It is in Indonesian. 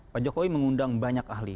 pak jokowi mengundang banyak ahli